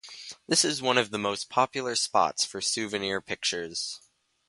This is one of the most popular spots for souvenir pictures.